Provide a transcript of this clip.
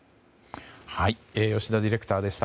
吉田ディレクターでした。